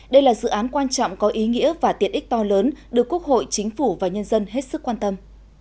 đây là dự án quan trọng có ý nghĩa và tiện ích to lớn được quốc hội chính phủ và nhân dân hết sức quan tâm